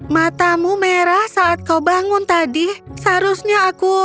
matamu merah saat kau bangun tadi seharusnya aku